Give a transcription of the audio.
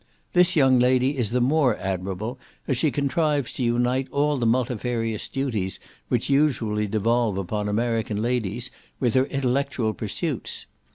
This young lady is the more admirable as she contrives to unite all the multifarious duties which usually devolve upon American ladies, with her intellectual pursuits.